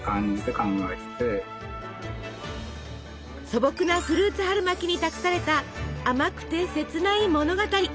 素朴なフルーツ春巻きに託された甘くて切ない物語。